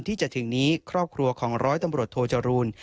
ที่จะถึงนี้ครอบครัวของร้อยตำรวจโทจรูล